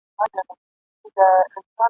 ما یې فال دی پر اورغوي له ازل سره کتلی !.